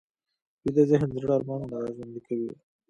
ویده ذهن د زړه ارمانونه راژوندي کوي